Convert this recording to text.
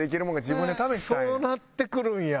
自分で試したんや。